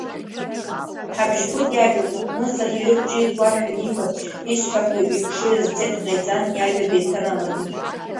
Хабжькәыт иажәақәа, Мыса ирықәҿимҭуашәа аниба, исҳәақәо ихшыҩ азцеит ҟаиҵан, иажәа деиҭаналагеит…